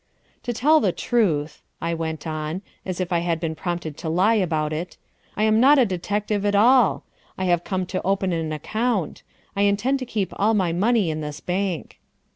"To tell the truth," I went on, as if I had been prompted to lie about it, "I am not a detective at all. I have come to open an account. I intend to keep all my money in this bank."